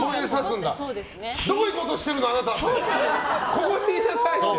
ここにいなさい！って。